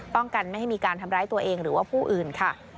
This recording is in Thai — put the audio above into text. กันไม่ให้มีการทำร้ายตัวเองหรือว่าผู้อื่นค่ะ